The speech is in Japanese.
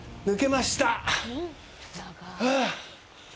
抜けました！